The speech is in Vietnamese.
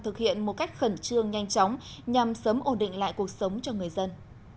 thực hiện một cách khẩn trương nhanh chóng nhằm sớm ổn định lại cuộc sống cho người dân